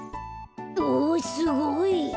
おすごい！